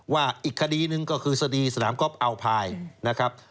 ว่าอีกคดีหนึ่งก็คือสดีสนามก๊อปเอาไพรนะครับ